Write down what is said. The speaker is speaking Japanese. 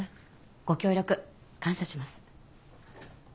ご協力感謝します。